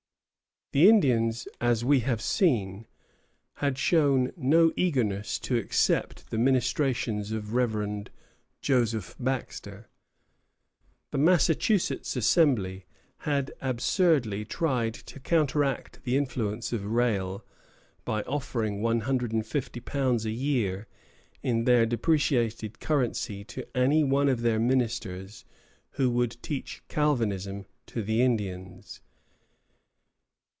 The Indians, as we have seen, had shown no eagerness to accept the ministrations of Rev. Joseph Baxter. The Massachusetts Assembly had absurdly tried to counteract the influence of Rale by offering £150 a year in their depreciated currency to any one of their ministers who would teach Calvinism to the Indians.